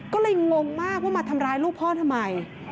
ก็เลยงงมากว่ามาทำร้ายลูกพ่อทำไม